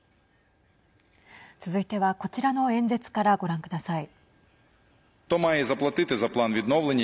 続いてはこちらの演説からご覧ください。